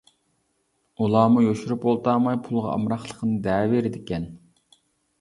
ئۇلارمۇ يوشۇرۇپ ئولتۇرماي پۇلغا ئامراقلىقىنى دەۋېرىدىكەن.